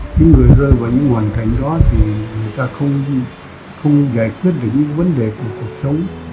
những người rơi vào những hoàn cảnh đó thì người ta không giải quyết được những vấn đề của cuộc sống